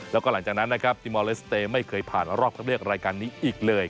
แล้วก็หลังจากนั้นนะครับติมอลเลสเตย์ไม่เคยผ่านรอบคัดเลือกรายการนี้อีกเลย